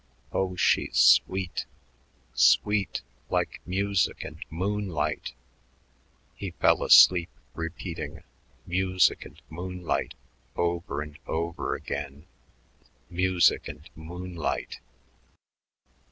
Oh, she's sweet, sweet like music and moonlight...." He fell asleep, repeating "music and moonlight" over and over again "music and moonlight...."